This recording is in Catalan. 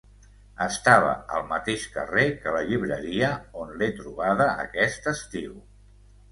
Estava al mateix carrer que la llibreria on l'he trobada aquest estiu.